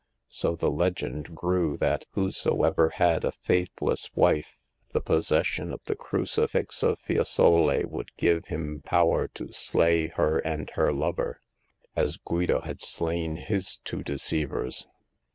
So the legend grew that whosoever had a faithless wife, the posses sion of the Crucifix of Fiesole would give him power to slay her and her lover, as Guido had slain his two deceivers.